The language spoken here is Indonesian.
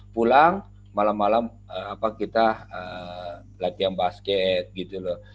pulang malam malam kita latihan basket gitu loh